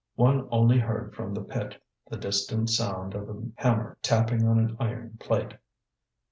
One only heard from the pit the distant sound of a hammer tapping on an iron plate.